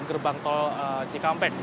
jalan tol cikampek